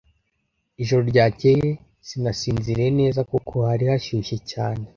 Ijoro ryakeye sinasinziriye neza, kuko hari hashyushye cyane.